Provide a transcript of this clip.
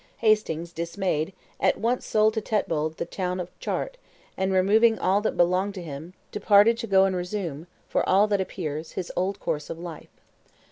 Hastings, dismayed, at once sold to Tetbold the town of Chartres, and, removing all that belonged to him, departed to go and resume, for all that appears, his old course of life.